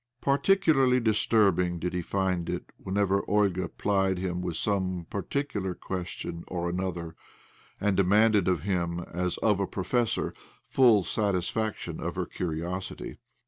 Particu larly disturbing did he find it whenever Olga plied him with some particular question or another, and demanded of him, as of a professor, full satisfaction of her curiosity.